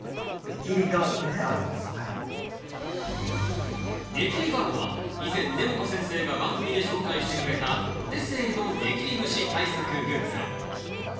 ネキリガードは以前根本先生が番組で紹介してくれたお手製のネキリムシ対策グッズ。